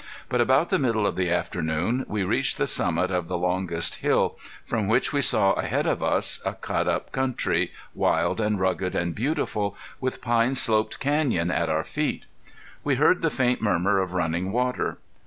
But about the middle of the afternoon we reached the summit of the longest hill, from which we saw ahead of us a cut up country, wild and rugged and beautiful, with pine sloped canyon at our feet. We heard the faint murmur of running water.